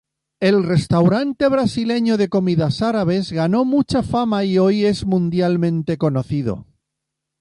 El restaurante Brasileño de comidas árabes ganó mucha fama y hoy es mundialmente conocido.